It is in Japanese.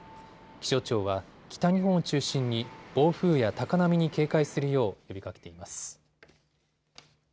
気象庁は北日本を中心に暴風や高波に警戒するよう呼びかけています。